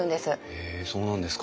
へえそうなんですか。